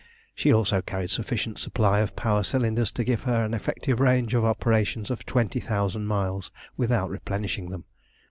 She also carried a sufficient supply of power cylinders to give her an effective range of operations of twenty thousand miles without replenishing them.